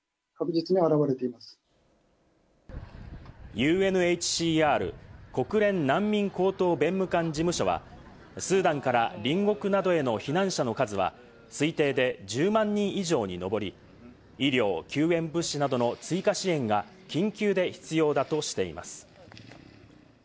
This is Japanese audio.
ＵＮＨＣＲ＝国連難民高等弁務官事務所はスーダンから隣国などへの避難者の数は推定で１０万人以上にのぼり、医療、救援物資などの追加支援が緊急で必要だとしています。